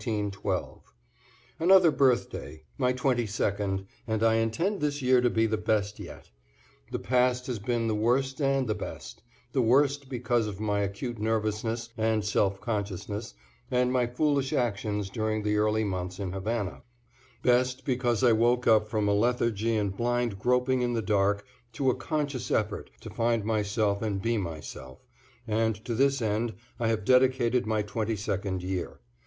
= Another birthday, my twenty second, and I intend this year to be the best yet. The past one has been the worst and the best; the worst because of my acute nervousness and self consciousness and my foolish actions during the early months in Havana; best because I woke up from a lethargy and blind groping in the dark to a conscious effort to find myself and be myself; and to this end I have dedicated my twenty second year.